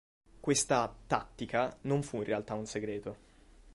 Questa “tattica” non fu in realtà un segreto.